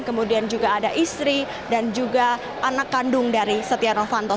kemudian juga ada istri dan juga anak kandung dari setia novanto